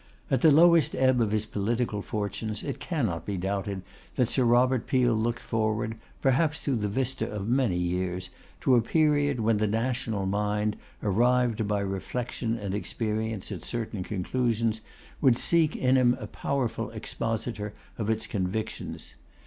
At the lowest ebb of his political fortunes, it cannot be doubted that Sir Robert Peel looked forward, perhaps through the vista of many years, to a period when the national mind, arrived by reflection and experience at certain conclusions, would seek in him a powerful expositor of its convictions.